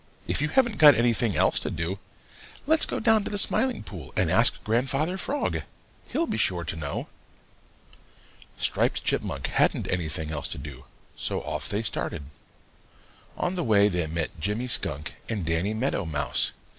"If you haven't got anything else to do, let's go down to the Smiling Pool and ask Grandfather Frog; he'll be sure to know." Striped Chipmunk hadn't anything else to do, so off they started. On the way they met Jimmy Skunk and Danny Meadow Mouse.